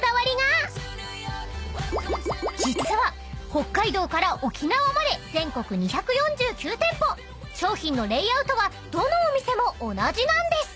［実は北海道から沖縄まで全国２４９店舗商品のレイアウトはどのお店も同じなんです］